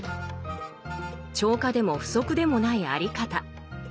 超過でも不足でもないあり方。